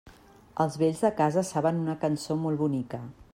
Els vells de casa saben una cançó molt bonica.